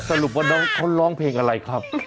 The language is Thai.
สรุปว่าน้องเขาร้องเพลงอะไรครับ